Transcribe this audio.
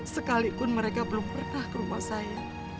sekalipun mereka belum pernah ke rumah saya